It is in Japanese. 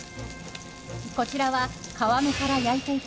こちらは皮目から焼いていき